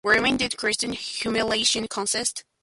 Wherein did Christ’s humiliation consist?